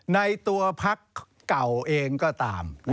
ในตัวพักเก่าเองก็ตาม